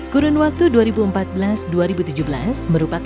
kurun waktu dua ribu empat belas dua ribu tujuh belas merupakan